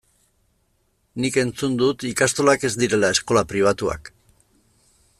Nik entzun dut ikastolak ez direla eskola pribatuak.